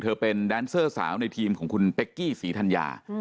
เป็นแดนเซอร์สาวในทีมของคุณเป๊กกี้ศรีธัญญา